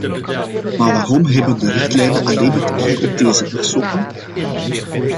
Maar waarom hebben de richtlijnen alleen betrekking op deze personen?